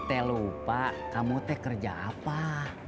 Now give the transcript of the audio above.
sebelum kakek anak